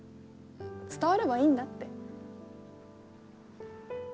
伝わればいいんだって。